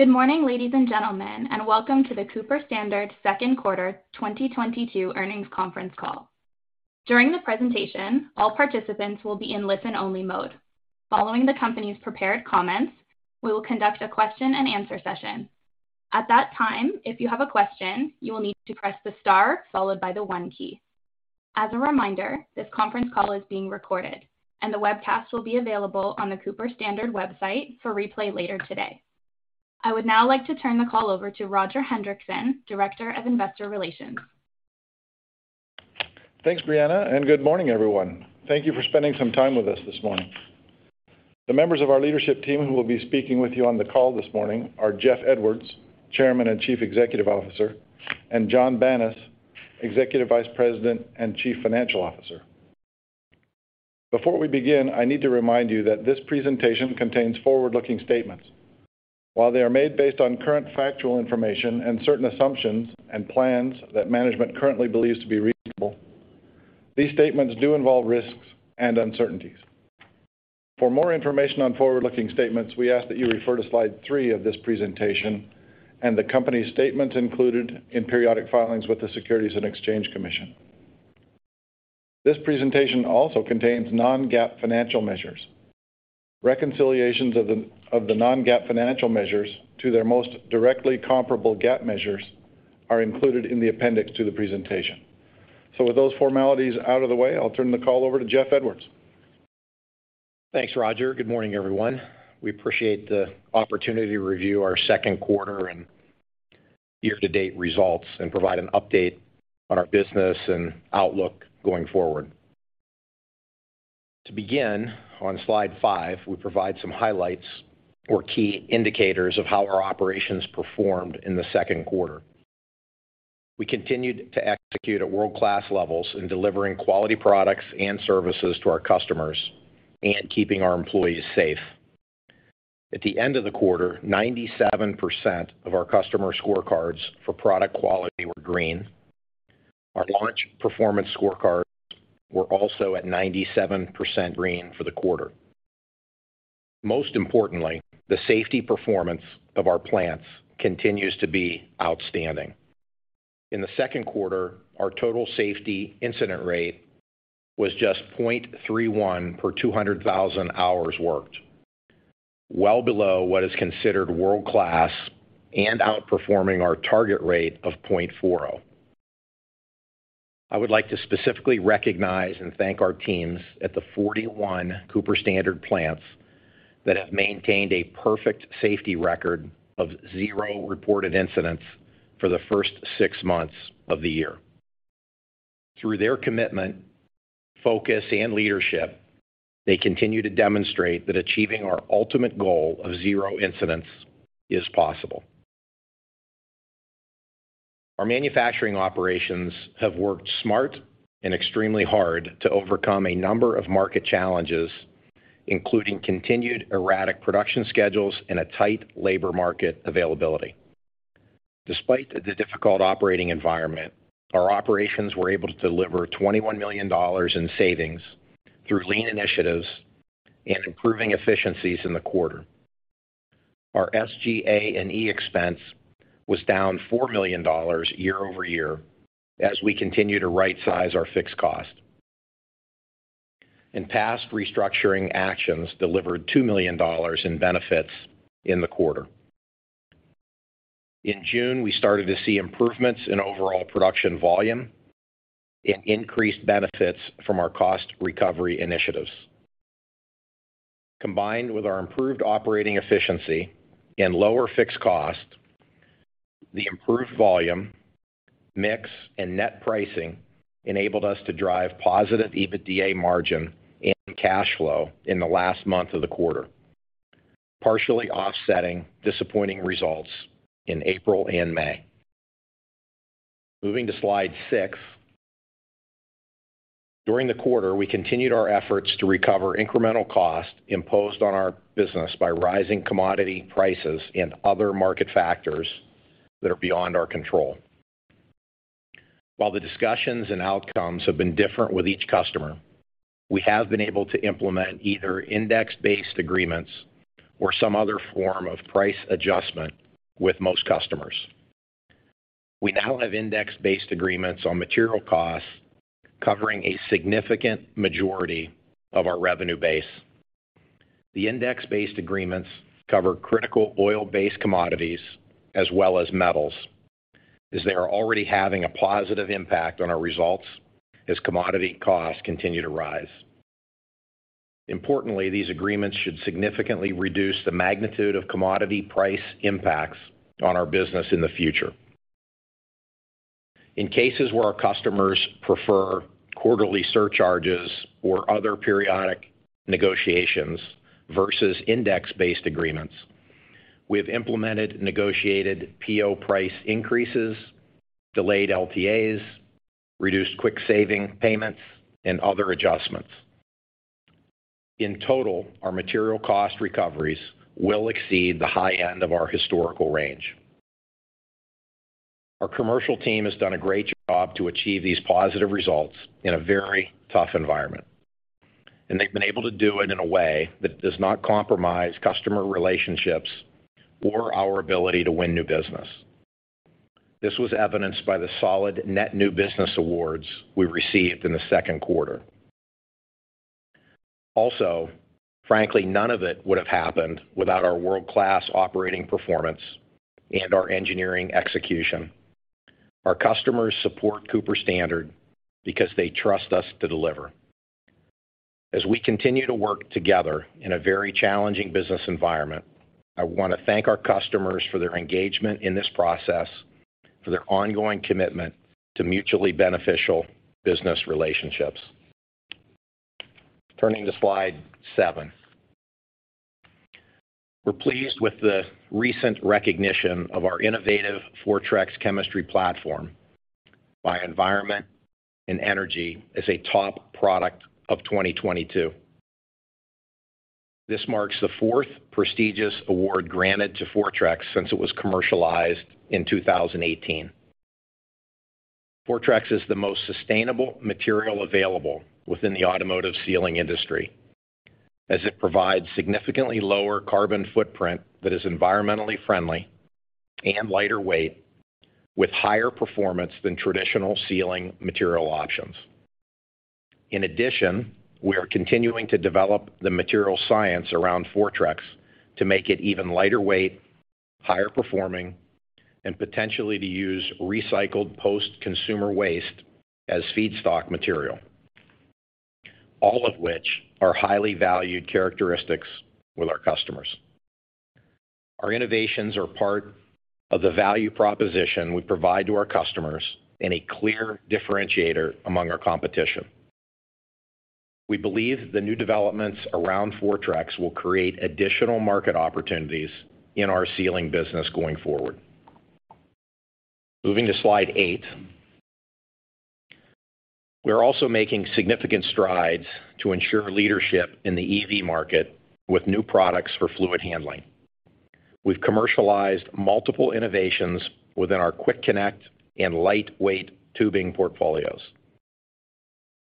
Good morning, ladies and gentlemen, and welcome to the Cooper Standard second quarter 2022 earnings conference call. During the presentation, all participants will be in listen-only mode. Following the company's prepared comments, we will conduct a question-and-answer session. At that time, if you have a question, you will need to press the star followed by the one key. As a reminder, this conference call is being recorded, and the webcast will be available on the Cooper Standard website for replay later today. I would now like to turn the call over to Roger Hendriksen, Director of Investor Relations. Thanks, Brianna, and good morning, everyone. Thank you for spending some time with us this morning. The members of our leadership team who will be speaking with you on the call this morning are Jeff Edwards, Chairman and Chief Executive Officer, and Jon Banas, Executive Vice President and Chief Financial Officer. Before we begin, I need to remind you that this presentation contains forward-looking statements. While they are made based on current factual information and certain assumptions and plans that management currently believes to be reasonable, these statements do involve risks and uncertainties. For more information on forward-looking statements, we ask that you refer to slide three of this presentation and the company's statements included in periodic filings with the Securities and Exchange Commission. This presentation also contains non-GAAP financial measures. Reconciliations of the non-GAAP financial measures to their most directly comparable GAAP measures are included in the appendix to the presentation. With those formalities out of the way, I'll turn the call over to Jeff Edwards. Thanks, Roger. Good morning, everyone. We appreciate the opportunity to review our second quarter and year-to-date results and provide an update on our business and outlook going forward. To begin, on slide five, we provide some highlights or key indicators of how our operations performed in the second quarter. We continued to execute at world-class levels in delivering quality products and services to our customers and keeping our employees safe. At the end of the quarter, 97% of our customer scorecards for product quality were green. Our launch performance scorecards were also at 97% green for the quarter. Most importantly, the safety performance of our plants continues to be outstanding. In the second quarter, our total safety incident rate was just 0.31 per 200,000 hours worked, well below what is considered world-class and outperforming our target rate of 0.40. I would like to specifically recognize and thank our teams at the 41 Cooper Standard plants that have maintained a perfect safety record of zero reported incidents for the first six months of the year. Through their commitment, focus, and leadership, they continue to demonstrate that achieving our ultimate goal of zero incidents is possible. Our manufacturing operations have worked smart and extremely hard to overcome a number of market challenges, including continued erratic production schedules and a tight labor market availability. Despite the difficult operating environment, our operations were able to deliver $21 million in savings through lean initiatives and improving efficiencies in the quarter. Our SG&A expense was down $4 million year-over-year as we continue to rightsize our fixed cost. Past restructuring actions delivered $2 million in benefits in the quarter. In June, we started to see improvements in overall production volume and increased benefits from our cost recovery initiatives. Combined with our improved operating efficiency and lower fixed cost, the improved volume, mix, and net pricing enabled us to drive positive EBITDA margin and cash flow in the last month of the quarter, partially offsetting disappointing results in April and May. Moving to slide six. During the quarter, we continued our efforts to recover incremental cost imposed on our business by rising commodity prices and other market factors that are beyond our control. While the discussions and outcomes have been different with each customer, we have been able to implement either index-based agreements or some other form of price adjustment with most customers. We now have index-based agreements on material costs covering a significant majority of our revenue base. The index-based agreements cover critical oil-based commodities as well as metals, as they are already having a positive impact on our results as commodity costs continue to rise. Importantly, these agreements should significantly reduce the magnitude of commodity price impacts on our business in the future. In cases where our customers prefer quarterly surcharges or other periodic negotiations versus index-based agreements, we have implemented negotiated PO price increases, delayed LTAs, reduced cost saving payments, and other adjustments. In total, our material cost recoveries will exceed the high end of our historical range. Our commercial team has done a great job to achieve these positive results in a very tough environment, and they've been able to do it in a way that does not compromise customer relationships or our ability to win new business. This was evidenced by the solid net new business awards we received in the second quarter. Frankly, none of it would have happened without our world-class operating performance and our engineering execution. Our customers support Cooper Standard because they trust us to deliver. As we continue to work together in a very challenging business environment, I wanna thank our customers for their engagement in this process, for their ongoing commitment to mutually beneficial business relationships. Turning to slide seven. We're pleased with the recent recognition of our innovative Fortrex chemistry platform by Environment+Energy as a top product of 2022. This marks the fourth prestigious award granted to Fortrex since it was commercialized in 2018. Fortrex is the most sustainable material available within the automotive sealing industry, as it provides significantly lower carbon footprint that is environmentally friendly and lighter weight, with higher performance than traditional sealing material options. In addition, we are continuing to develop the material science around Fortrex to make it even lighter weight, higher performing, and potentially to use recycled post-consumer waste as feedstock material, all of which are highly valued characteristics with our customers. Our innovations are part of the value proposition we provide to our customers and a clear differentiator among our competition. We believe the new developments around Fortrex will create additional market opportunities in our sealing business going forward. Moving to slide eight. We're also making significant strides to ensure leadership in the EV market with new products for Fluid Handling. We've commercialized multiple innovations within our Quick Connect and lightweight tubing portfolios,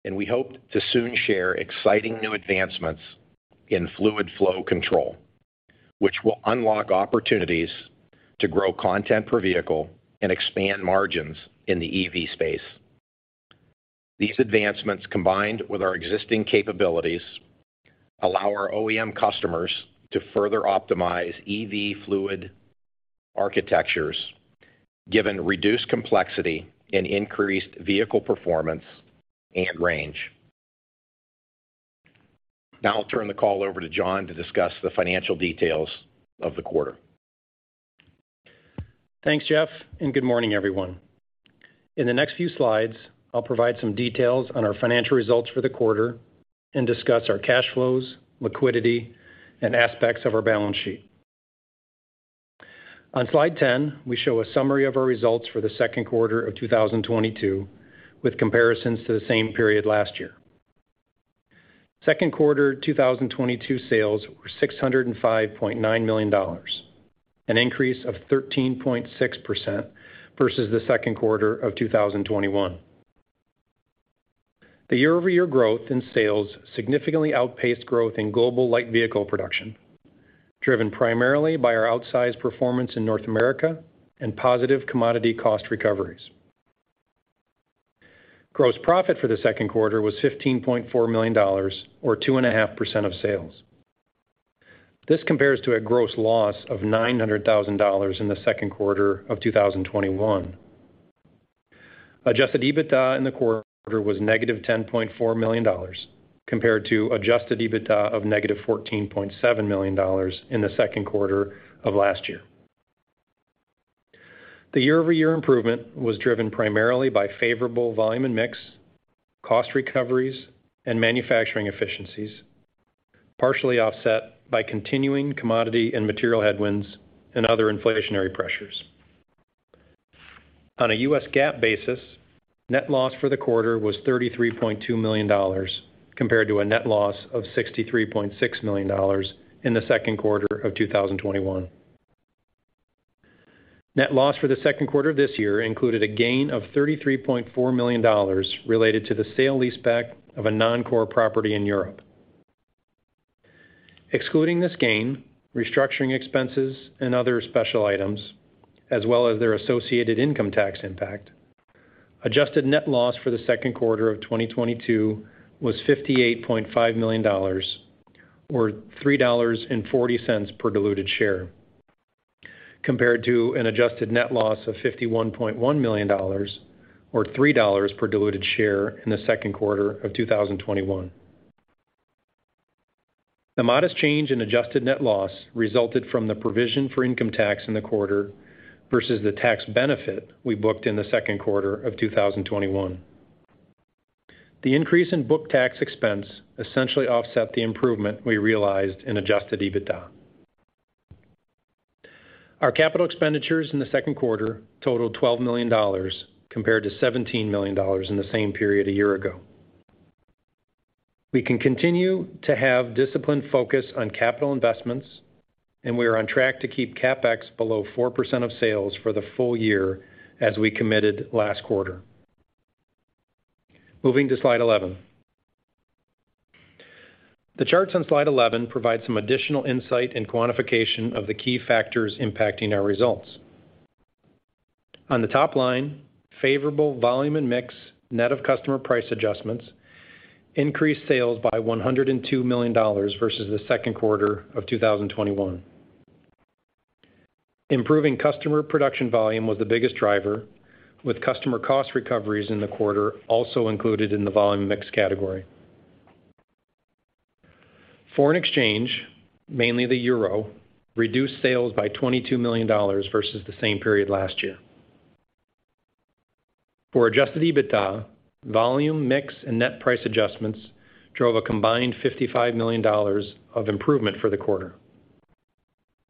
and we hope to soon share exciting new advancements in fluid flow control, which will unlock opportunities to grow content per vehicle and expand margins in the EV space. These advancements, combined with our existing capabilities, allow our OEM customers to further optimize EV fluid architectures given reduced complexity and increased vehicle performance and range. I'll turn the call over to Jon to discuss the financial details of the quarter. Thanks, Jeff, and good morning, everyone. In the next few slides, I'll provide some details on our financial results for the quarter and discuss our cash flows, liquidity, and aspects of our balance sheet. On slide 10, we show a summary of our results for the second quarter of 2022, with comparisons to the same period last year. Second quarter 2022 sales were $605.9 million, an increase of 13.6% versus the second quarter of 2021. The year-over-year growth in sales significantly outpaced growth in global light vehicle production, driven primarily by our outsized performance in North America and positive commodity cost recoveries. Gross profit for the second quarter was $15.4 million or 2.5% of sales. This compares to a gross loss of $900,000 in the second quarter of 2021. Adjusted EBITDA in the quarter was -$10.4 million compared to adjusted EBITDA of -$14.7 million in the second quarter of last year. The year-over-year improvement was driven primarily by favorable volume and mix, cost recoveries and manufacturing efficiencies, partially offset by continuing commodity and material headwinds and other inflationary pressures. On a U.S. GAAP basis, net loss for the quarter was $33.2 million compared to a net loss of $63.6 million in the second quarter of 2021. Net loss for the second quarter of this year included a gain of $33.4 million related to the sale-leaseback of a non-core property in Europe. Excluding this gain, restructuring expenses and other special items, as well as their associated income tax impact, adjusted net loss for the second quarter of 2022 was $58.5 million or $3.40 per diluted share, compared to an adjusted net loss of $51.1 million or $3 per diluted share in the second quarter of 2021. The modest change in adjusted net loss resulted from the provision for income tax in the quarter versus the tax benefit we booked in the second quarter of 2021. The increase in book tax expense essentially offset the improvement we realized in adjusted EBITDA. Our capital expenditures in the second quarter totaled $12 million compared to $17 million in the same period a year ago. We can continue to have disciplined focus on capital investments, and we are on track to keep CapEx below 4% of sales for the full year as we committed last quarter. Moving to slide 11. The charts on slide 11 provide some additional insight and quantification of the key factors impacting our results. On the top line, favorable volume and mix, net of customer price adjustments, increased sales by $102 million versus the second quarter of 2021. Improving customer production volume was the biggest driver, with customer cost recoveries in the quarter also included in the volume mix category. Foreign exchange, mainly the euro, reduced sales by $22 million versus the same period last year. For adjusted EBITDA, volume, mix, and net price adjustments drove a combined $55 million of improvement for the quarter.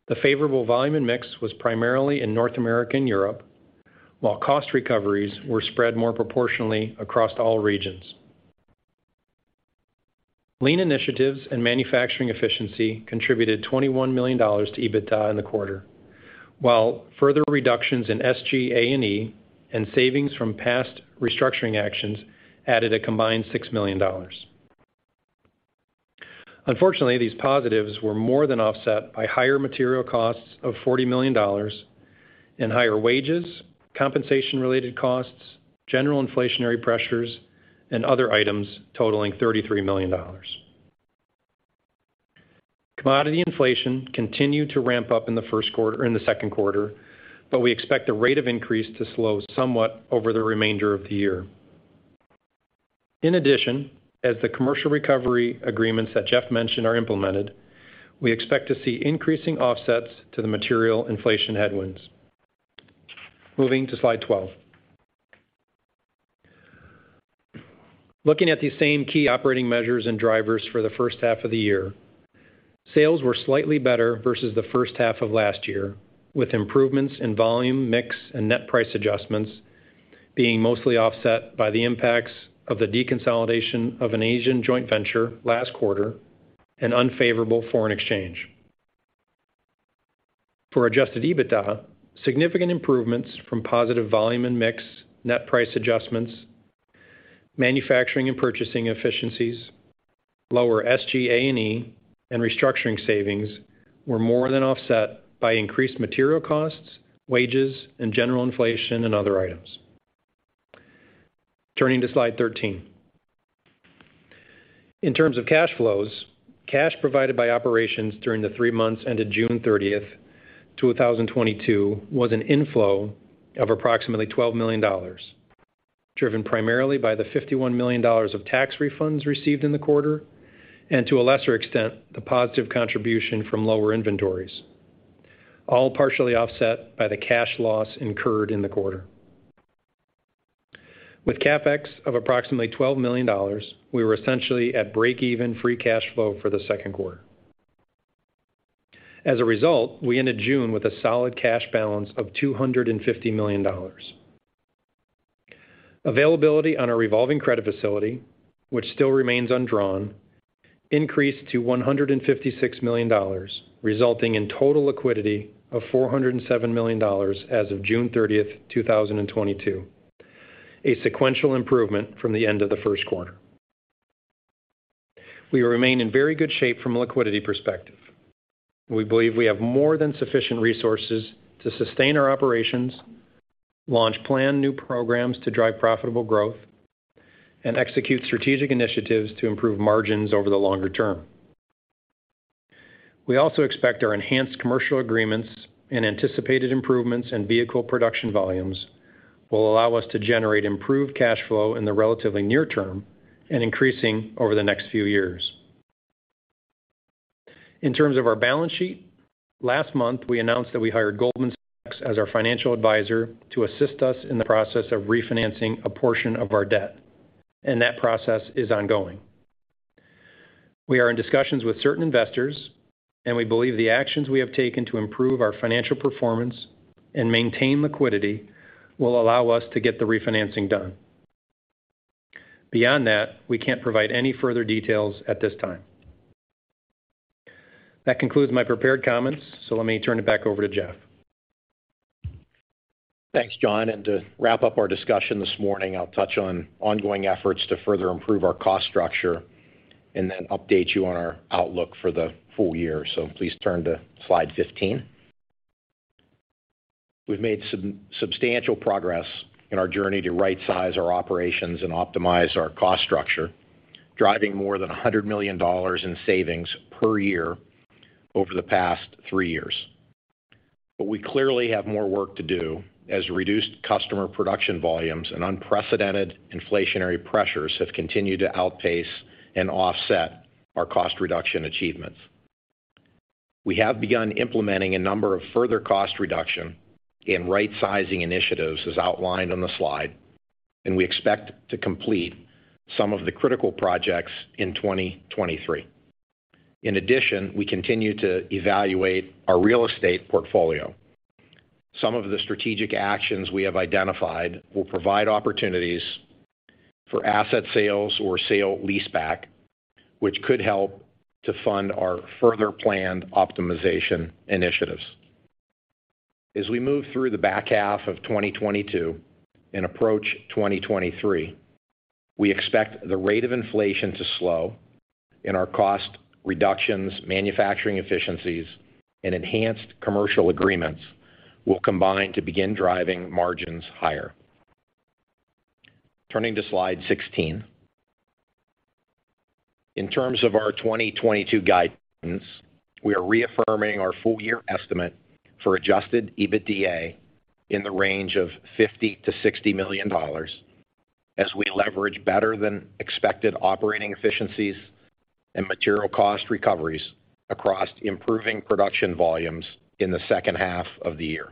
The favorable volume and mix was primarily in North America and Europe, while cost recoveries were spread more proportionally across all regions. Lean initiatives and manufacturing efficiency contributed $21 million to EBITDA in the quarter, while further reductions in SG&A and savings from past restructuring actions added a combined $6 million. Unfortunately, these positives were more than offset by higher material costs of $40 million and higher wages, compensation related costs, general inflationary pressures, and other items totaling $33 million. Commodity inflation continued to ramp up in the second quarter, but we expect the rate of increase to slow somewhat over the remainder of the year. In addition, as the commercial recovery agreements that Jeff mentioned are implemented, we expect to see increasing offsets to the material inflation headwinds. Moving to slide 12. Looking at the same key operating measures and drivers for the first half of the year, sales were slightly better versus the first half of last year, with improvements in volume, mix, and net price adjustments being mostly offset by the impacts of the deconsolidation of an Asian joint venture last quarter and unfavorable foreign exchange. For adjusted EBITDA, significant improvements from positive volume and mix, net price adjustments, manufacturing and purchasing efficiencies, lower SG&A, and restructuring savings were more than offset by increased material costs, wages, and general inflation and other items. Turning to slide 13. In terms of cash flows, cash provided by operations during the three months ended June 30th, 2022 was an inflow of approximately $12 million, driven primarily by the $51 million of tax refunds received in the quarter, and to a lesser extent, the positive contribution from lower inventories, all partially offset by the cash loss incurred in the quarter. With CapEx of approximately $12 million, we were essentially at break even free cash flow for the second quarter. As a result, we ended June with a solid cash balance of $250 million. Availability on our revolving credit facility, which still remains undrawn, increased to $156 million, resulting in total liquidity of $407 million as of June 30th, 2022, a sequential improvement from the end of the first quarter. We remain in very good shape from a liquidity perspective. We believe we have more than sufficient resources to sustain our operations, launch planned new programs to drive profitable growth, and execute strategic initiatives to improve margins over the longer term. We also expect our enhanced commercial agreements and anticipated improvements in vehicle production volumes will allow us to generate improved cash flow in the relatively near term and increasing over the next few years. In terms of our balance sheet, last month, we announced that we hired Goldman Sachs as our financial advisor to assist us in the process of refinancing a portion of our debt, and that process is ongoing. We are in discussions with certain investors, and we believe the actions we have taken to improve our financial performance and maintain liquidity will allow us to get the refinancing done. Beyond that, we can't provide any further details at this time. That concludes my prepared comments, so let me turn it back over to Jeff Edwards. Thanks, Jon. To wrap up our discussion this morning, I'll touch on ongoing efforts to further improve our cost structure and then update you on our outlook for the full year. Please turn to slide 15. We've made substantial progress in our journey to rightsize our operations and optimize our cost structure, driving more than $100 million in savings per year over the past three years. We clearly have more work to do as reduced customer production volumes and unprecedented inflationary pressures have continued to outpace and offset our cost reduction achievements. We have begun implementing a number of further cost reduction and rightsizing initiatives as outlined on the slide, and we expect to complete some of the critical projects in 2023. In addition, we continue to evaluate our real estate portfolio. Some of the strategic actions we have identified will provide opportunities for asset sales or sale-leaseback, which could help to fund our further planned optimization initiatives. As we move through the back half of 2022 and approach 2023, we expect the rate of inflation to slow and our cost reductions, manufacturing efficiencies, and enhanced commercial agreements will combine to begin driving margins higher. Turning to slide 16. In terms of our 2022 guidance, we are reaffirming our full year estimate for adjusted EBITDA in the range of $50 million-$60 million as we leverage better than expected operating efficiencies and material cost recoveries across improving production volumes in the second half of the year.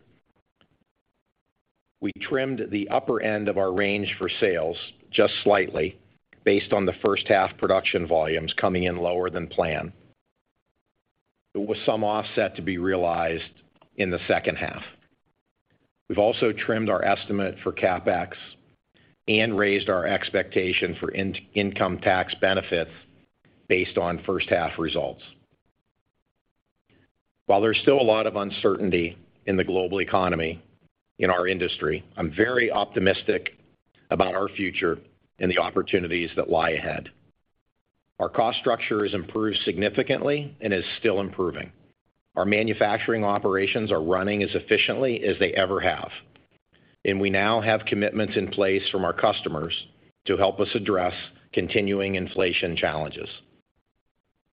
We trimmed the upper end of our range for sales just slightly based on the first half production volumes coming in lower than planned, with some offset to be realized in the second half. We've also trimmed our estimate for CapEx and raised our expectation for interest income tax benefit based on first half results. While there's still a lot of uncertainty in the global economy in our industry, I'm very optimistic about our future and the opportunities that lie ahead. Our cost structure has improved significantly and is still improving. Our manufacturing operations are running as efficiently as they ever have, and we now have commitments in place from our customers to help us address continuing inflation challenges.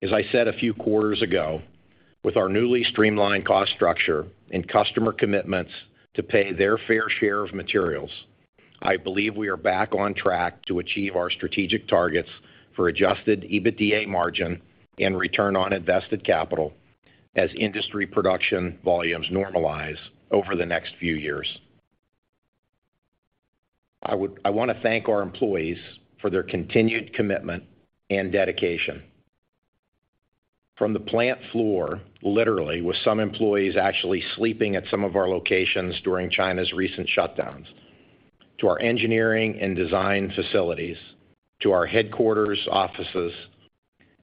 As I said a few quarters ago, with our newly streamlined cost structure and customer commitments to pay their fair share of materials, I believe we are back on track to achieve our strategic targets for adjusted EBITDA margin and return on invested capital as industry production volumes normalize over the next few years. I wanna thank our employees for their continued commitment and dedication. From the plant floor, literally, with some employees actually sleeping at some of our locations during China's recent shutdowns, to our engineering and design facilities, to our headquarters offices,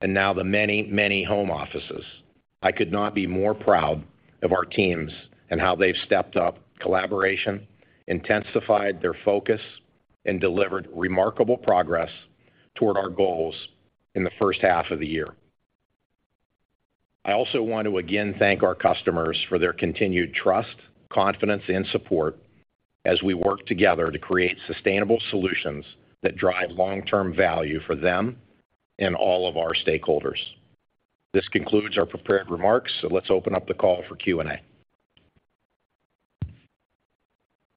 and now the many, many home offices, I could not be more proud of our teams and how they've stepped up collaboration, intensified their focus, and delivered remarkable progress toward our goals in the first half of the year. I also want to again thank our customers for their continued trust, confidence, and support as we work together to create sustainable solutions that drive long-term value for them and all of our stakeholders. This concludes our prepared remarks. Let's open up the call for Q&A.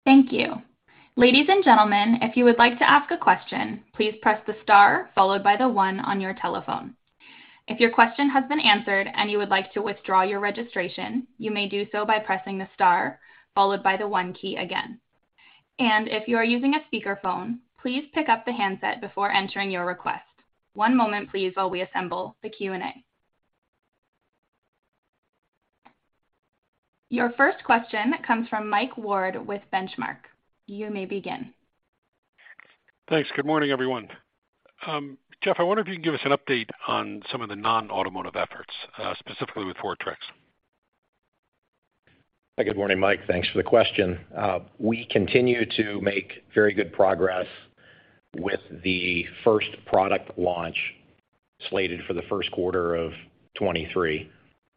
Thank you. Ladies and gentlemen, if you would like to ask a question, please press the star followed by the one on your telephone. If your question has been answered and you would like to withdraw your registration, you may do so by pressing the star followed by the one key again. If you are using a speakerphone, please pick up the handset before entering your request. One moment, please, while we assemble the Q&A. Your first question comes from Mike Ward with Benchmark. You may begin. Thanks. Good morning, everyone. Jeff, I wonder if you can give us an update on some of the non-automotive efforts, specifically with Fortrex. Good morning, Mike. Thanks for the question. We continue to make very good progress with the first product launch slated for the first quarter of 2023.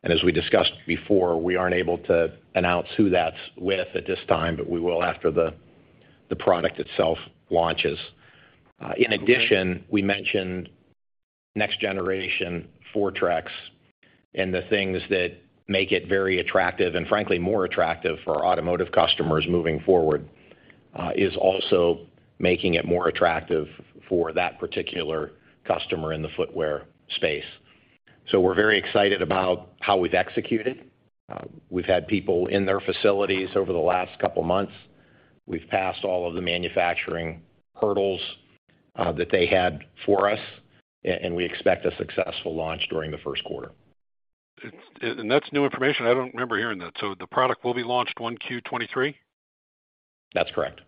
As we discussed before, we aren't able to announce who that's with at this time, but we will after the product itself launches. In addition, we mentioned next generation Fortrex and the things that make it very attractive, and frankly, more attractive for our automotive customers moving forward, is also making it more attractive for that particular customer in the footwear space. We're very excited about how we've executed. We've had people in their facilities over the last couple of months. We've passed all of the manufacturing hurdles that they had for us, and we expect a successful launch during the first quarter of 2023. That's new information. I don't remember hearing that. The product will be launched 1Q 2023? That's correct.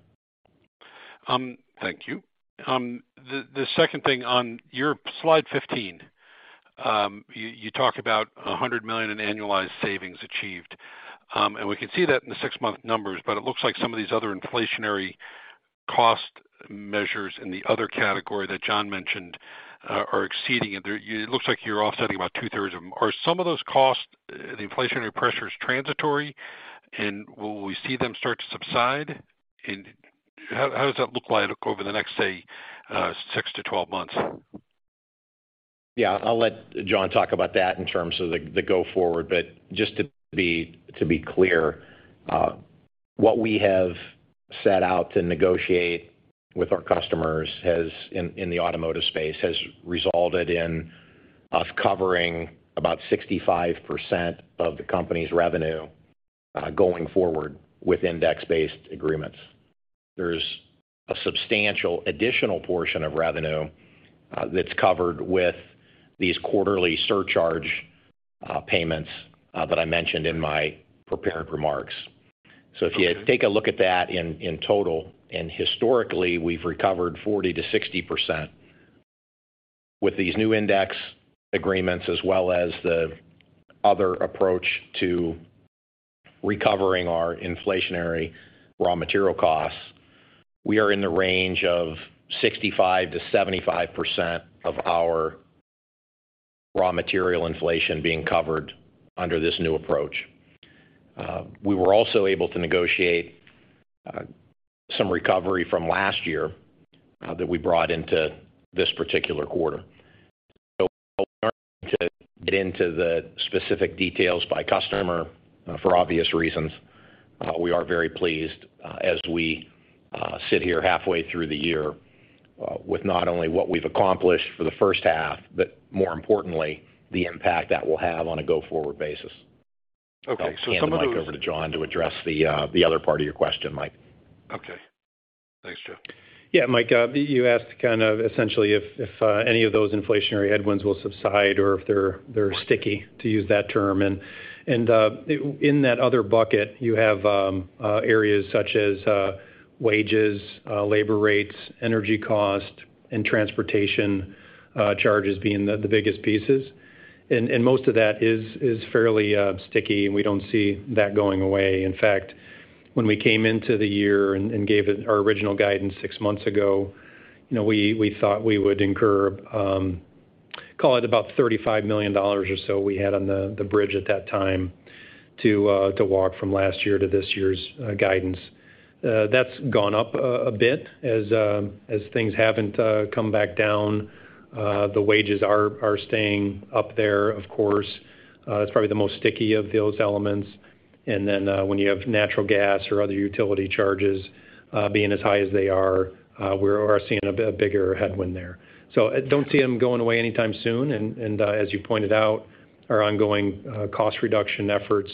Thank you. The second thing on your slide 15, you talk about $100 million in annualized savings achieved. We can see that in the six-month numbers, but it looks like some of these other inflationary cost measures in the other category that Jon mentioned are exceeding. It looks like you're offsetting about two-thirds of them. Are some of those costs, the inflationary pressures transitory, and will we see them start to subside? How does that look like over the next, say, six to 12 months? Yeah, I'll let Jon talk about that in terms of the go forward. Just to be clear, what we have set out to negotiate with our customers has in the automotive space resulted in us covering about 65% of the company's revenue going forward with index-based agreements. There's a substantial additional portion of revenue that's covered with these quarterly surcharge payments that I mentioned in my prepared remarks. Okay. If you take a look at that in total, and historically, we've recovered 40%-60%. With these new index agreements, as well as the other approach to recovering our inflationary raw material costs, we are in the range of 65%-75% of our raw material inflation being covered under this new approach. We were also able to negotiate some recovery from last year that we brought into this particular quarter. While we aren't going to get into the specific details by customer for obvious reasons, we are very pleased as we sit here halfway through the year with not only what we've accomplished for the first half, but more importantly, the impact that will have on a go-forward basis. Okay. Some of those. I'll hand the mic over to Jon to address the other part of your question, Mike. Okay. Thanks, Jeff. Yeah, Mike, you asked kind of essentially if any of those inflationary headwinds will subside or if they're sticky, to use that term. In that other bucket, you have areas such as wages, labor rates, energy cost, and transportation charges being the biggest pieces. Most of that is fairly sticky, and we don't see that going away. In fact, when we came into the year and gave it our original guidance six months ago, you know, we thought we would incur, call it about $35 million or so we had on the bridge at that time to walk from last year to this year's guidance. That's gone up a bit as things haven't come back down. The wages are staying up there, of course. It's probably the most sticky of those elements. When you have natural gas or other utility charges being as high as they are, we are seeing a bit bigger headwind there. I don't see them going away anytime soon. As you pointed out, our ongoing cost reduction efforts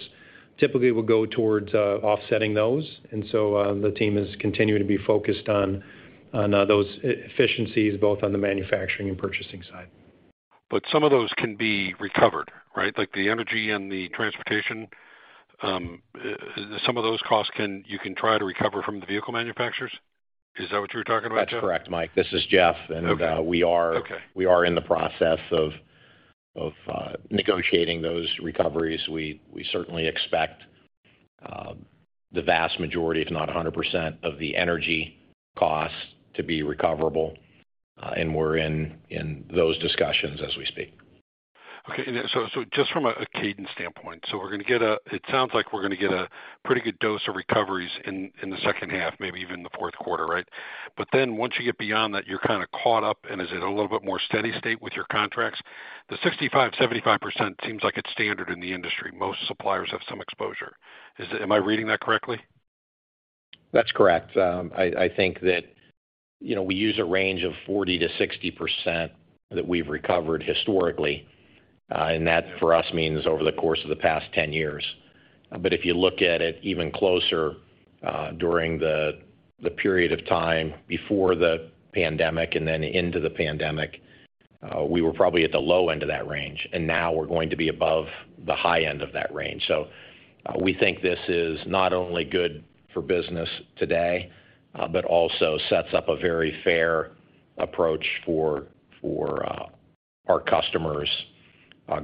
typically will go towards offsetting those. The team has continued to be focused on those efficiencies, both on the manufacturing and purchasing side. Some of those can be recovered, right? Like the energy and the transportation, some of those costs you can try to recover from the vehicle manufacturers. Is that what you're talking about, Jeff? That's correct, Mike. This is Jeff. Okay. And, uh, we are- Okay. We are in the process of negotiating those recoveries. We certainly expect the vast majority, if not 100%, of the energy costs to be recoverable, and we're in those discussions as we speak. Okay. Just from a cadence standpoint, we're gonna get a pretty good dose of recoveries in the second half, maybe even the fourth quarter, right? Once you get beyond that, you're kind of caught up. Is it a little bit more steady state with your contracts? The 65%-75% seems like it's standard in the industry. Most suppliers have some exposure. Am I reading that correctly? That's correct. I think that, you know, we use a range of 40%-60% that we've recovered historically, and that for us means over the course of the past 10 years. If you look at it even closer, during the period of time before the pandemic and then into the pandemic, we were probably at the low end of that range, and now we're going to be above the high end of that range. We think this is not only good for business today, but also sets up a very fair approach for our customers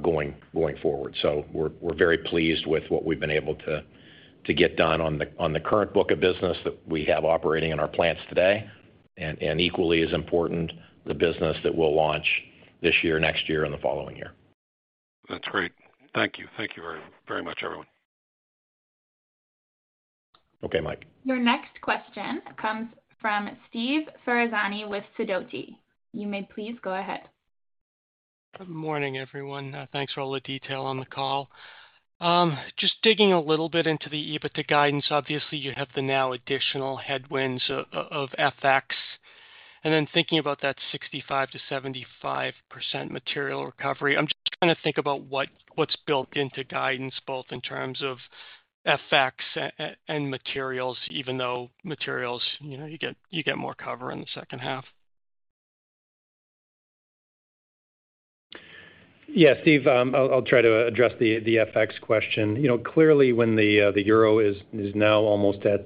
going forward. We're very pleased with what we've been able to get done on the current book of business that we have operating in our plants today, and equally as important, the business that we'll launch this year, next year, and the following year. That's great. Thank you. Thank you very, very much, everyone. Okay, Mike. Your next question comes from Steve Ferazani with Sidoti. You may please go ahead. Good morning, everyone. Thanks for all the detail on the call. Just digging a little bit into the EBITDA guidance. Obviously, you have the now additional headwinds of FX. Then thinking about that 65%-75% material recovery, I'm just trying to think about what's built into guidance, both in terms of FX and materials, even though materials, you know, you get more cover in the second half. Yeah, Steve, I'll try to address the FX question. You know, clearly when the euro is now almost at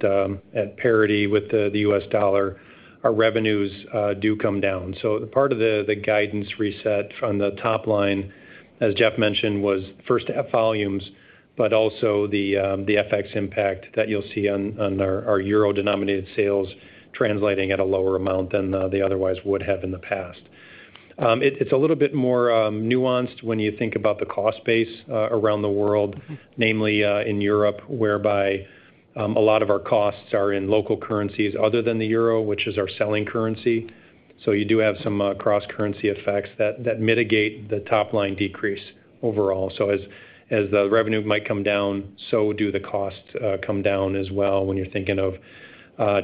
parity with the U.S. dollar, our revenues do come down. Part of the guidance reset from the top line, as Jeff mentioned, was first to have volumes, but also the FX impact that you'll see on our euro-denominated sales translating at a lower amount than they otherwise would have in the past. It's a little bit more nuanced when you think about the cost base around the world, namely in Europe, whereby a lot of our costs are in local currencies other than the euro, which is our selling currency. You do have some cross-currency effects that mitigate the top line decrease overall. As the revenue might come down, so do the costs come down as well, when you're thinking of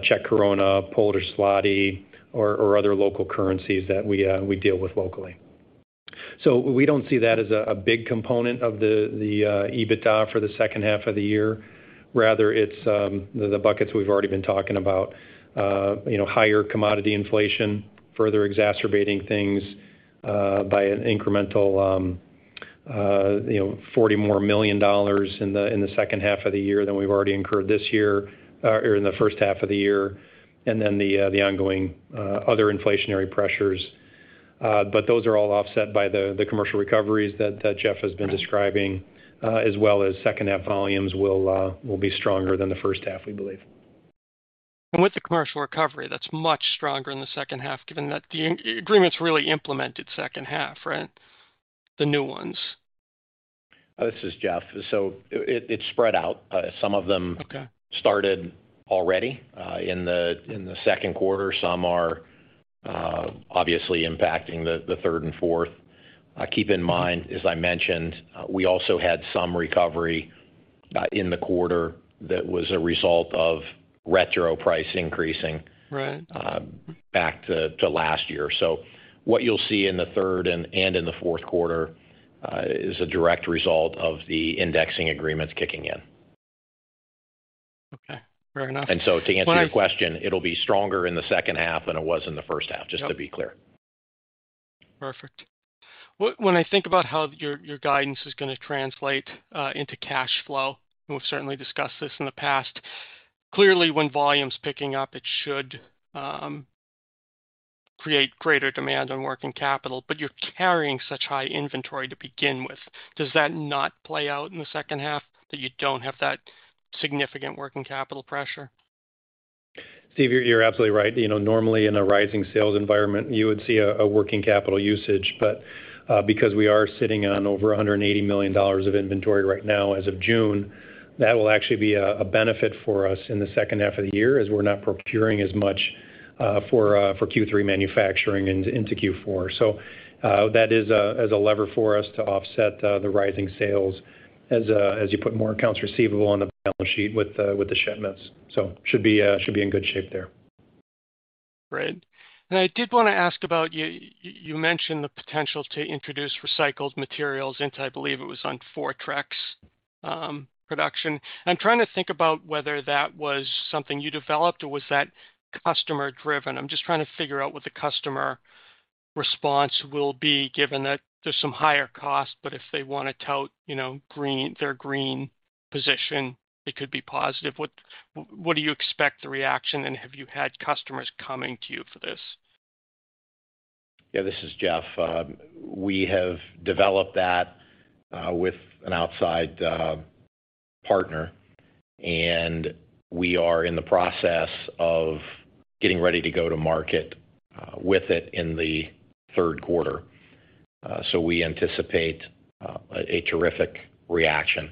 Czech koruna, Polish zloty or other local currencies that we deal with locally. We don't see that as a big component of the EBITDA for the second half of the year. Rather, it's the buckets we've already been talking about. Higher commodity inflation, further exacerbating things, by an incremental $40 million in the second half of the year than we've already incurred this year, or in the first half of the year, and then the ongoing other inflationary pressures. Those are all offset by the commercial recoveries that Jeff has been describing, as well as second half volumes will be stronger than the first half, we believe. With the commercial recovery, that's much stronger in the second half, given that the LTA's really implemented second half, right? The new ones. This is Jeff. It's spread out. Some of them. Okay. Started already in the second quarter. Some are obviously impacting the third and fourth. Keep in mind, as I mentioned, we also had some recovery in the quarter that was a result of retroactive price increasing- Right. back to last year. What you'll see in the third and in the fourth quarter is a direct result of the indexing agreements kicking in. Okay. Fair enough. To answer your question, it'll be stronger in the second half than it was in the first half, just to be clear. Perfect. When I think about how your guidance is gonna translate into cash flow, and we've certainly discussed this in the past, clearly, when volume's picking up, it should create greater demand on working capital, but you're carrying such high inventory to begin with. Does that not play out in the second half, that you don't have that significant working capital pressure? Steve, you're absolutely right. You know, normally in a rising sales environment, you would see a working capital usage. Because we are sitting on over $180 million of inventory right now as of June, that will actually be a benefit for us in the second half of the year as we're not procuring as much for Q3 manufacturing into Q4. That is a lever for us to offset the rising sales as you put more accounts receivable on the balance sheet with the shipments. So should be in good shape there. Great. I did wanna ask about, you mentioned the potential to introduce recycled materials into, I believe it was on Fortrex production. I'm trying to think about whether that was something you developed or was that customer driven? I'm just trying to figure out what the customer response will be given that there's some higher cost, but if they wanna tout, you know, green, their green position, it could be positive. What do you expect the reaction, and have you had customers coming to you for this? Yeah, this is Jeff. We have developed that with an outside partner, and we are in the process of getting ready to go to market with it in the third quarter. We anticipate a terrific reaction.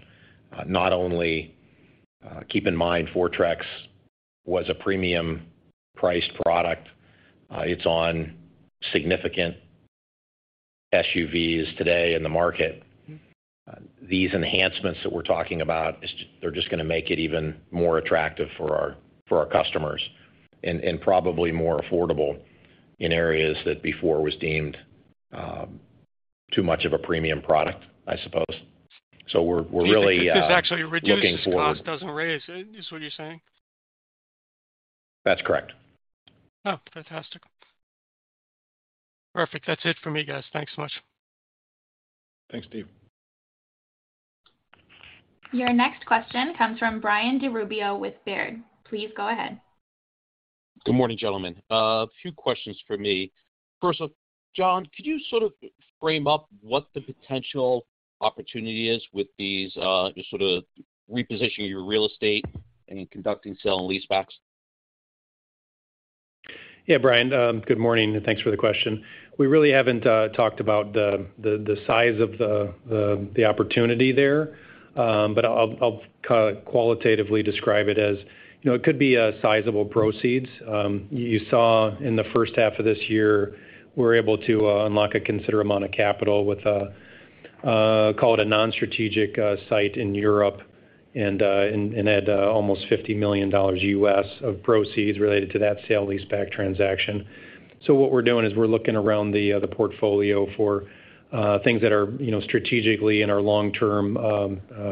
Not only keep in mind, Fortrex was a premium priced product. It's on significant SUVs today in the market. These enhancements that we're talking about is just, they're just gonna make it even more attractive for our customers and probably more affordable in areas that before was deemed too much of a premium product, I suppose. We're really- Do you think this actually reduces cost, doesn't raise it, is what you're saying? That's correct. Oh, fantastic. Perfect. That's it for me, guys. Thanks so much. Thanks, Steve. Your next question comes from Brian DiRubbio with Baird. Please go ahead. Good morning, gentlemen. A few questions for me. First off, Jon, could you sort of frame up what the potential opportunity is with these, just sort of repositioning your real estate and conducting sale and leasebacks? Yeah, Brian, good morning, and thanks for the question. We really haven't talked about the size of the opportunity there. I'll kinda qualitatively describe it as, you know, it could be a sizable proceeds. You saw in the first half of this year, we're able to unlock a considerable amount of capital with a call it a non-strategic site in Europe and had almost $50 million of proceeds related to that sale-leaseback transaction. What we're doing is we're looking around the portfolio for things that are, you know, strategically in our long-term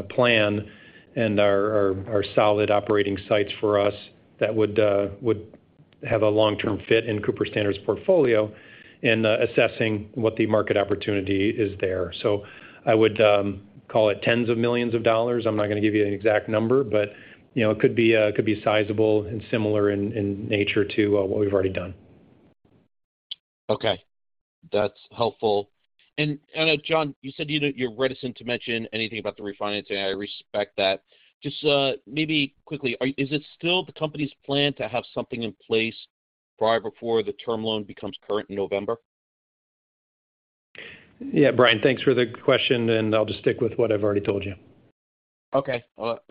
plan and are solid operating sites for us that would have a long-term fit in Cooper Standard's portfolio and assessing what the market opportunity is there. I would call it tens of millions of dollars. I'm not gonna give you an exact number, but, you know, it could be sizable and similar in nature to what we've already done. Okay. That's helpful. Jon, you said you're reticent to mention anything about the refinancing. I respect that. Just, maybe quickly, is it still the company's plan to have something in place prior before the term loan becomes current in November? Yeah, Brian, thanks for the question, and I'll just stick with what I've already told you. Okay.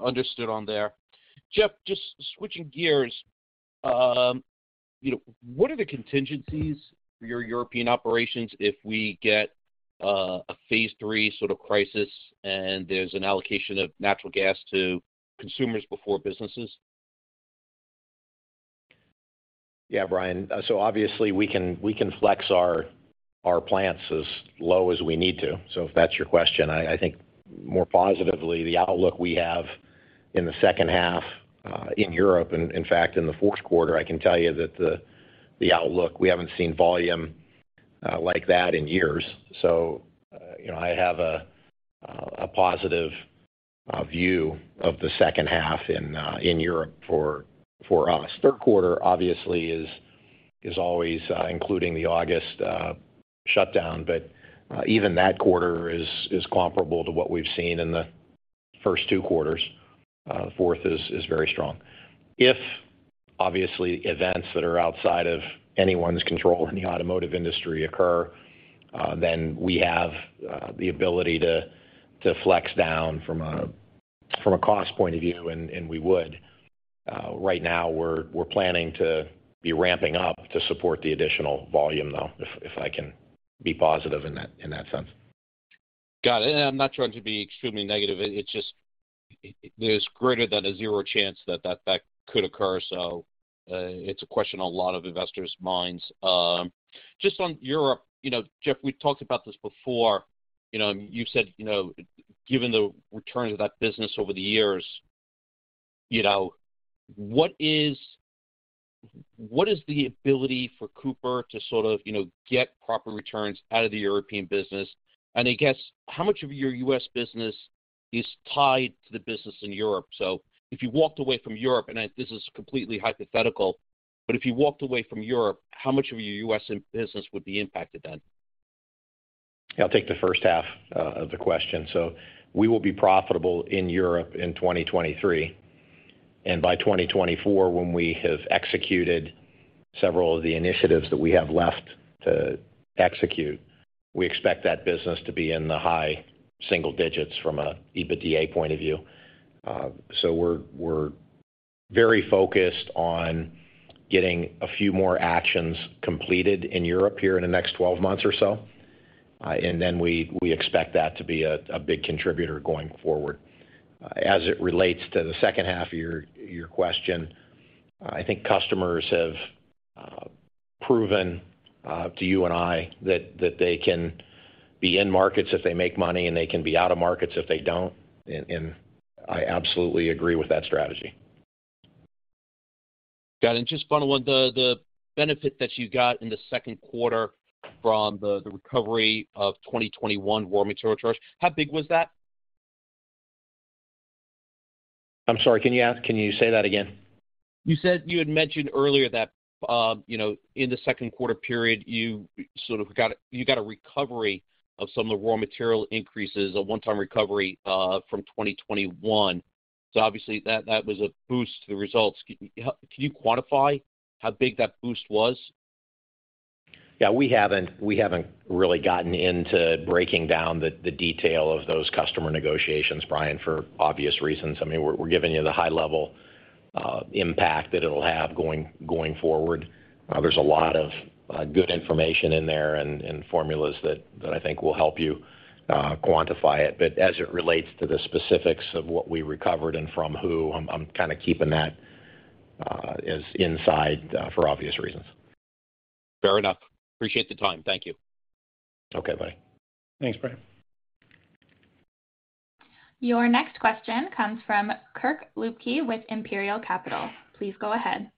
Understood on there. Jeff, just switching gears, you know, what are the contingencies for your European operations if we get a phase three sort of crisis and there's an allocation of natural gas to consumers before businesses? Yeah, Brian. Obviously we can flex our plants as low as we need to. If that's your question, I think more positively the outlook we have in the second half in Europe. In fact, in the fourth quarter, I can tell you that the outlook, we haven't seen volume like that in years. You know, I have a positive view of the second half in Europe for us. Third quarter obviously is always including the August shutdown, but even that quarter is comparable to what we've seen in the first two quarters. Fourth is very strong. If obviously events that are outside of anyone's control in the automotive industry occur, then we have the ability to flex down from a cost point of view, and we would. Right now we're planning to be ramping up to support the additional volume now if I can be positive in that sense. Got it. I'm not trying to be extremely negative. It's just there's greater than a zero chance that could occur. It's a question on a lot of investors' minds. Just on Europe, you know, Jeff, we talked about this before. You know, you said, you know, given the return of that business over the years, you know, what is the ability for Cooper to sort of, you know, get proper returns out of the European business? I guess how much of your U.S. business is tied to the business in Europe? If you walked away from Europe, and this is completely hypothetical, but if you walked away from Europe, how much of your U.S. business would be impacted then? I'll take the first half of the question. We will be profitable in Europe in 2023. By 2024, when we have executed several of the initiatives that we have left to execute, we expect that business to be in the high single digits from an EBITDA point of view. We're very focused on getting a few more actions completed in Europe here in the next 12 months or so. We expect that to be a big contributor going forward. As it relates to the second half of your question, I think customers have proven to you and I that they can be in markets if they make money, and they can be out of markets if they don't. I absolutely agree with that strategy. Got it. Just following the benefit that you got in the second quarter from the recovery of 2021 raw material charge. How big was that? I'm sorry, can you say that again? You said you had mentioned earlier that, you know, in the second quarter period, you sort of got a recovery of some of the raw material increases, a one-time recovery, from 2021. Obviously that was a boost to the results. Can you quantify how big that boost was? Yeah. We haven't really gotten into breaking down the detail of those customer negotiations, Brian, for obvious reasons. I mean, we're giving you the high-level impact that it'll have going forward. There's a lot of good information in there and formulas that I think will help you quantify it. As it relates to the specifics of what we recovered and from who, I'm kind of keeping that as inside for obvious reasons. Fair enough. Appreciate the time. Thank you. Okay, bye. Thanks, Brian. Your next question comes from Kirk Ludtke with Imperial Capital. Please go ahead.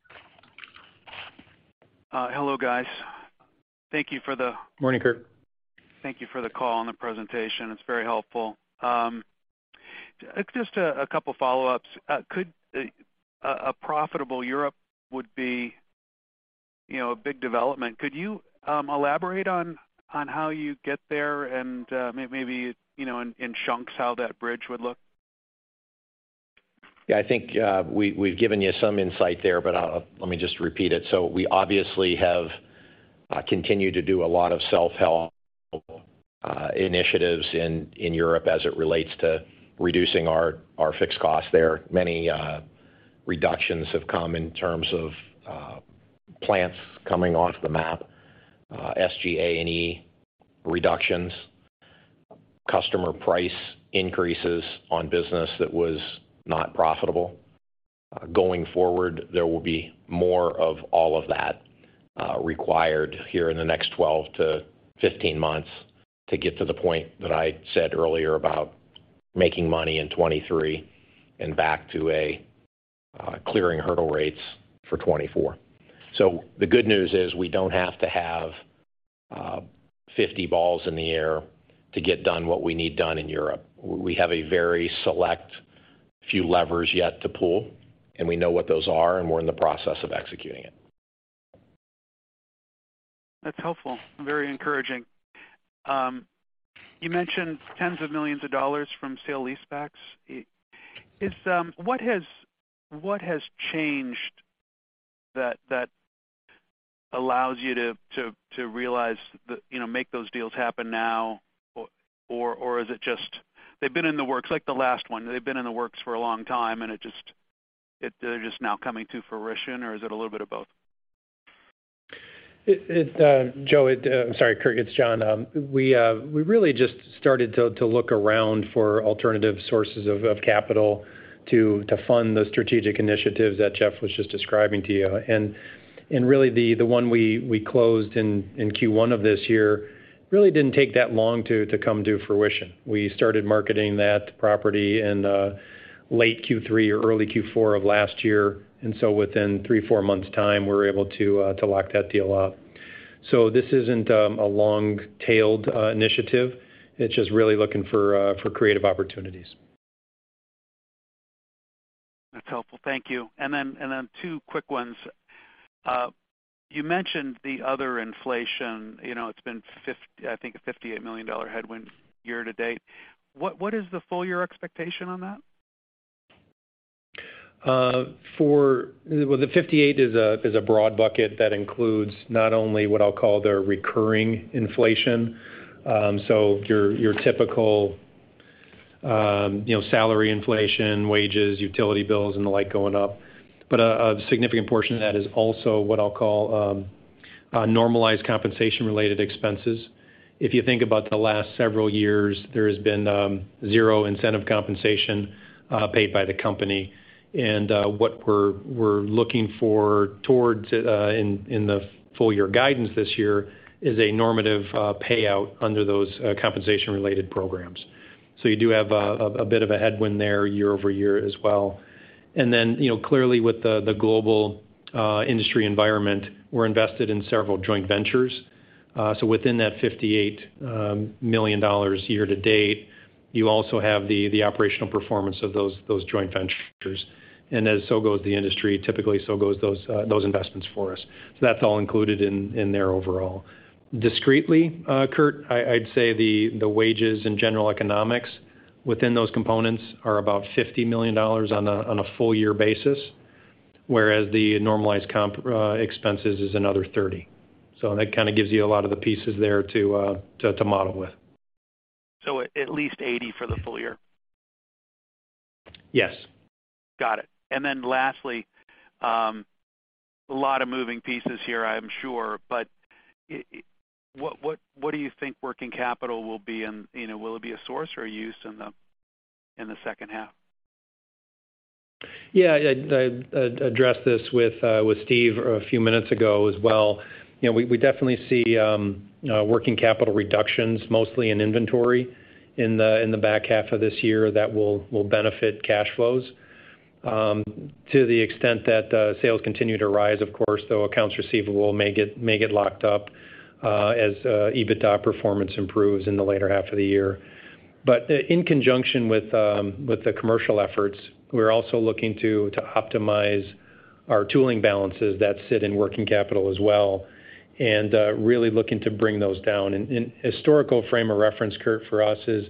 Hello, guys. Thank you for the- Morning, Kirk. Thank you for the call and the presentation. It's very helpful. Just a couple follow-ups. Could a profitable Europe would be, you know, a big development. Could you elaborate on how you get there and maybe, you know, in chunks how that bridge would look? Yeah. I think we've given you some insight there, but let me just repeat it. We obviously have continued to do a lot of self-help initiatives in Europe as it relates to reducing our fixed costs there. Many reductions have come in terms of plants coming off the map, SG&A reductions, customer price increases on business that was not profitable. Going forward, there will be more of all of that required here in the next 12 months-15 months to get to the point that I said earlier about making money in 2023 and back to a clearing hurdle rates for 2024. The good news is we don't have to have 50 balls in the air to get done what we need done in Europe. We have a very select few levers yet to pull, and we know what those are, and we're in the process of executing it. That's helpful and very encouraging. You mentioned tens of millions of dollars from sale-leasebacks. What has changed that allows you to realize, you know, make those deals happen now? Or is it just they've been in the works like the last one for a long time, and they're just now coming to fruition, or is it a little bit of both? Joseph, I'm sorry, Kirk, it's Jon. We really just started to look around for alternative sources of capital to fund the strategic initiatives that Jeff was just describing to you. Really the one we closed in Q1 of this year really didn't take that long to come to fruition. We started marketing that property in late Q3 or early Q4 of last year. Within three, four months' time, we were able to lock that deal up. This isn't a long-tailed initiative. It's just really looking for creative opportunities. That's helpful. Thank you. Two quick ones. You mentioned the other inflation, you know, it's been a $58 million headwind year to date. What is the full year expectation on that? The $58 million is a broad bucket that includes not only what I'll call the recurring inflation, so your typical, you know, salary inflation, wages, utility bills, and the like going up. A significant portion of that is also what I'll call normalized compensation related expenses. If you think about the last several years, there has been zero incentive compensation paid by the company. What we're looking for towards in the full-year guidance this year is a normative payout under those compensation related programs. You do have a bit of a headwind there year-over-year as well. You know, clearly with the global industry environment, we're invested in several joint ventures. Within that $58 million year to date, you also have the operational performance of those joint ventures. As the industry goes, typically, so goes those investments for us. That's all included in there overall. Discretely, Kirk, I'd say the wages and general economics within those components are about $50 million on a full year basis, whereas the normalized comp expenses is another $30 million. That kind of gives you a lot of the pieces there to model with. At least $80 million for the full year? Yes. Got it. Lastly, a lot of moving pieces here, I'm sure. What do you think working capital will be and, you know, will it be a source or a use in the second half? Yeah. I addressed this with Steve a few minutes ago as well. You know, we definitely see working capital reductions mostly in inventory in the back half of this year that will benefit cash flows. To the extent that sales continue to rise, of course, though accounts receivable may get locked up as EBITDA performance improves in the later half of the year. In conjunction with the commercial efforts, we're also looking to optimize our tooling balances that sit in working capital as well, and really looking to bring those down. A historical frame of reference, Kirk, for us is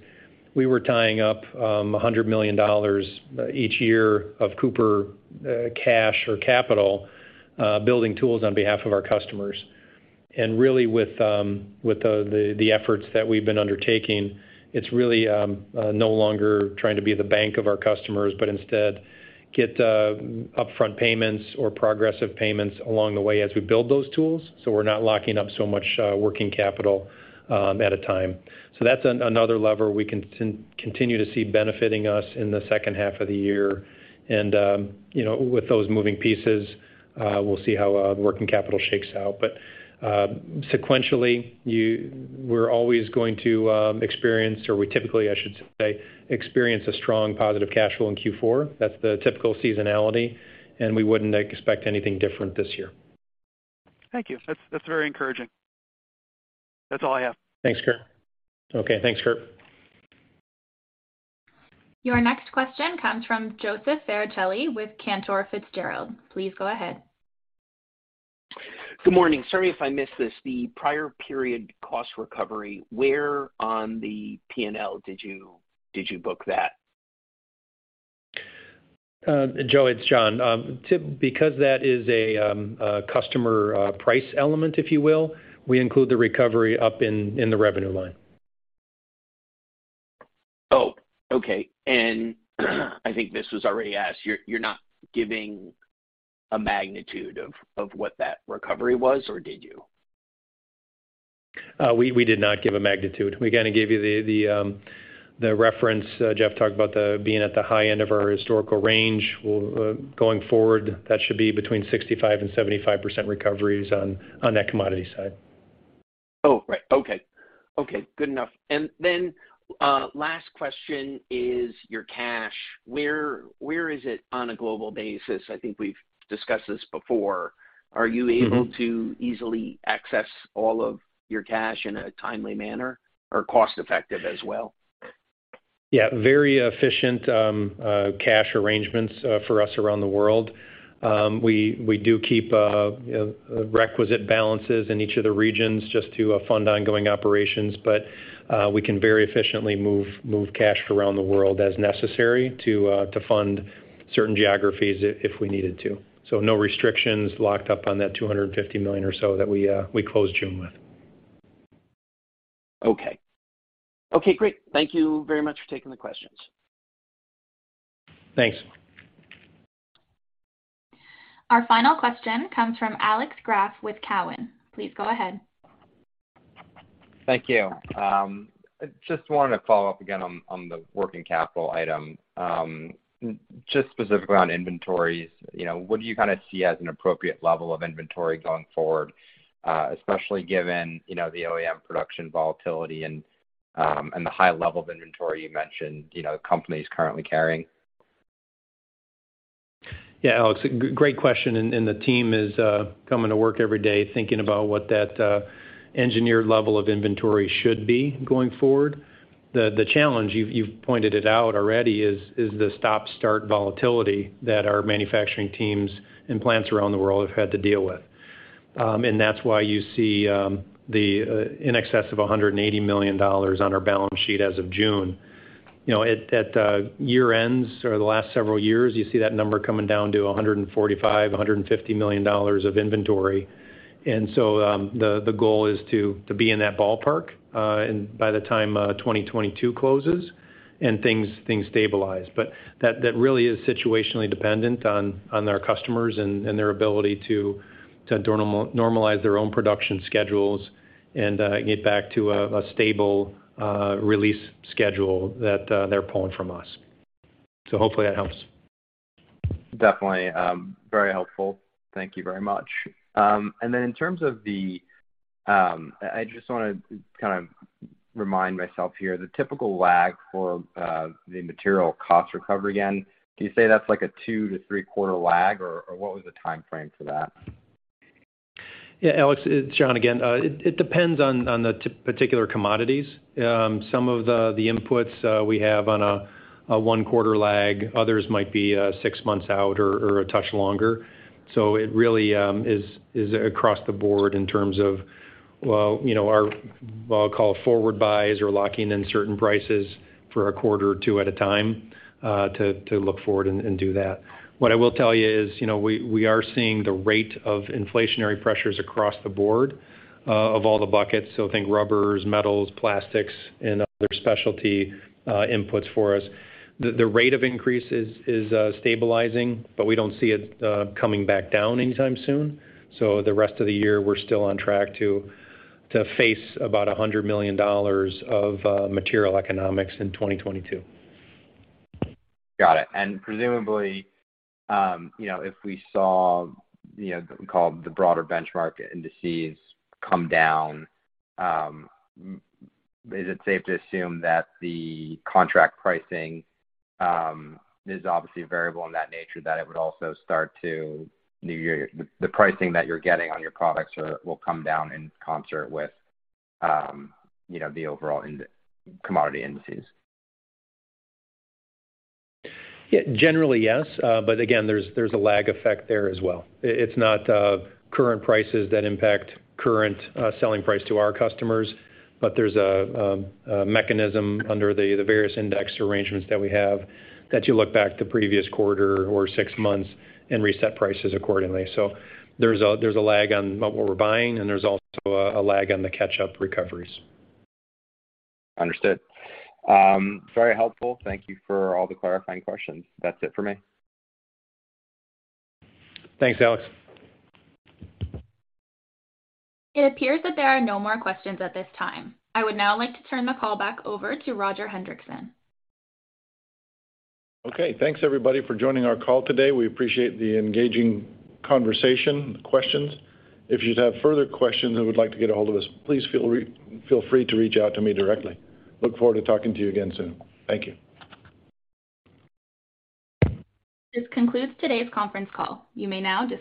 we were tying up $100 million each year of Cooper cash or capital building tools on behalf of our customers. Really with the efforts that we've been undertaking, it's really no longer trying to be the bank of our customers, but instead get upfront payments or progressive payments along the way as we build those tools, so we're not locking up so much working capital at a time. That's another lever we can continue to see benefiting us in the second half of the year. You know, with those moving pieces, we'll see how working capital shakes out. Sequentially, we're always going to experience, or we typically, I should say, experience a strong positive cash flow in Q4. That's the typical seasonality, and we wouldn't expect anything different this year. Thank you. That's very encouraging. That's all I have. Thanks, Kirk. Okay. Thanks, Kirk. Your next question comes from Joseph Farricielli with Cantor Fitzgerald. Please go ahead. Good morning. Sorry if I missed this. The prior period cost recovery, where on the P&L did you book that? Joe, it's Jon. Because that is a customer price element, if you will, we include the recovery up in the revenue line. Oh, okay. I think this was already asked. You're not giving a magnitude of what that recovery was, or did you? We did not give a magnitude. We kind of gave you the reference. Jeff talked about being at the high end of our historical range. Going forward, that should be between 65% and 75% recoveries on that commodity side. Oh, right. Okay. Good enough. Last question is your cash. Where is it on a global basis? I think we've discussed this before. Are you able- Mm-hmm to easily access all of your cash in a timely manner or cost-effectively as well? Yeah. Very efficient cash arrangements for us around the world. We do keep you know requisite balances in each of the regions just to fund ongoing operations. We can very efficiently move cash around the world as necessary to fund certain geographies if we needed to. No restrictions locked up on that $250 million or so that we closed June with. Okay. Okay, great. Thank you very much for taking the questions. Thanks. Our final question comes from Alex Graf with Cowen. Please go ahead. Thank you. Just wanted to follow up again on the working capital item. Just specifically on inventories. You know, what do you kind of see as an appropriate level of inventory going forward, especially given, you know, the OEM production volatility and the high level of inventory you mentioned, you know, the company's currently carrying? Yeah, Alex, great question, and the team is coming to work every day thinking about what that engineered level of inventory should be going forward. The challenge, you've pointed it out already, is the stop-start volatility that our manufacturing teams and plants around the world have had to deal with. That's why you see in excess of $180 million on our balance sheet as of June. You know, at year ends for the last several years, you see that number coming down to $145 million-$150 million of inventory. The goal is to be in that ballpark by the time 2022 closes and things stabilize. That really is situationally dependent on their customers and their ability to normalize their own production schedules and get back to a stable release schedule that they're pulling from us. Hopefully that helps. Definitely. Very helpful. Thank you very much. I just wanna kind of remind myself here, the typical lag for the material cost recovery again, do you say that's like a two-quarter to three-quarter lag or what was the timeframe for that? Yeah, Alex, it's Jon Banas again. It depends on the particular commodities. Some of the inputs we have on a one-quarter lag, others might be six months out or a touch longer. It really is across the board in terms of, well, you know, our, I'll call it forward buys or locking in certain prices for a quarter or two at a time, to look forward and do that. What I will tell you is, you know, we are seeing the rate of inflationary pressures across the board of all the buckets. Think rubbers, metals, plastics, and other specialty inputs for us. The rate of increase is stabilizing, but we don't see it coming back down anytime soon. The rest of the year we're still on track to face about $100 million of material economics in 2022. Got it. Presumably, you know, if we saw, you know, call it the broader benchmark indices come down, is it safe to assume that the contract pricing is obviously a variable in that nature, that it would also start to, you know, the pricing that you're getting on your products are, will come down in concert with, you know, the overall input commodity indices? Yeah. Generally, yes. Again, there's a lag effect there as well. It's not current prices that impact current selling price to our customers, but there's a mechanism under the various index arrangements that we have that you look back the previous quarter or six months and reset prices accordingly. There's a lag on what we're buying, and there's also a lag on the catch-up recoveries. Understood. Very helpful. Thank you for all the clarifying questions. That's it for me. Thanks, Alex. It appears that there are no more questions at this time. I would now like to turn the call back over to Roger Hendriksen. Okay. Thanks, everybody, for joining our call today. We appreciate the engaging conversation and questions. If you'd have further questions and would like to get a hold of us, please feel free to reach out to me directly. Look forward to talking to you again soon. Thank you. This concludes today's conference call. You may now disconnect.